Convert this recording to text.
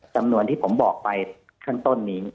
จำนวนที่ผมบอกไปข้างต้นนี้